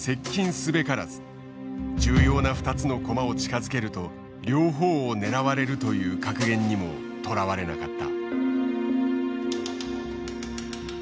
重要な２つの駒を近づけると両方を狙われるという格言にもとらわれなかった。